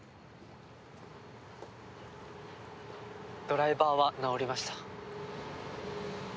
ドライバーは直りました。